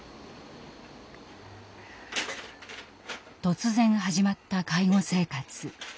突然始まった介護生活。